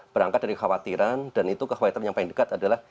berangkat dari kekhawatiran dan itu kekhawatiran yang paling dekat adalah